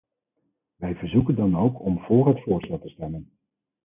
Wij verzoeken dan ook om voor het voorstel te stemmen.